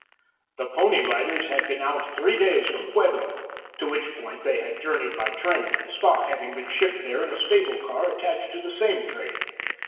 The Pony Riders had been out three days from Pueblo, to which point they had journeyed by train, the stock having been shipped there in a stable car attached to the same train.